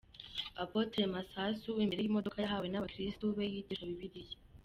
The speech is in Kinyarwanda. Apotre Masasu imbere y'imodoka yahawe n'abakristo be yigisha Bibiliya.